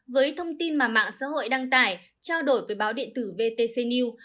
với thông tin mà mạng xã hội đăng tải trao đổi với báo điện tử vtc new